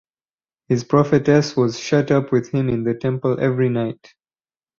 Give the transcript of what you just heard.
His prophetess was shut up with him in the temple every night.